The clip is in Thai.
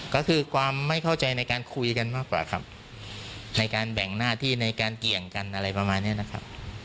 ก็คือความไม่เข้าใจในการคุยกันมากกว่าครับในการแบ่งหน้าที่ในการเกี่ยงกันอะไรประมาณนี้นะครับ